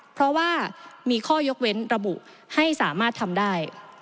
เพราะว่ามีข้อยกเว้นระบุให้สามารถทำได้